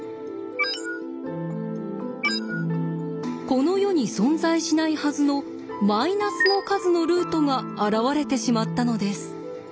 この世に存在しないはずのマイナスの数のルートが現れてしまったのです。